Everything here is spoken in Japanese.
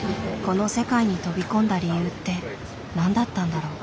この世界に飛び込んだ理由って何だったんだろう？